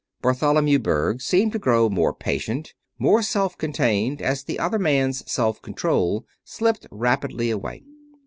Bartholomew Berg seemed to grow more patient, more self contained as the other man's self control slipped rapidly away.